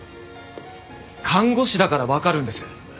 看護師だからわかるんです。